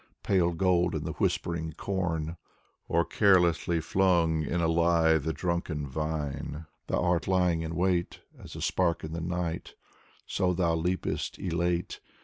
Pale gold in the whispering com, Or carelessly 'flung in a lithe drunken vine. Thou art lying in wait : As a spark in the night So thou leapest elate.